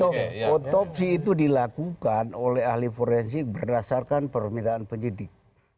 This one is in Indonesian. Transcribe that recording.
otopsi itu dilakukan oleh ahli forensik berdasarkan permintaan penyidik